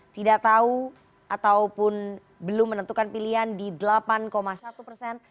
tidak tahu ataupun belum menentukan pilihan di delapan satu persen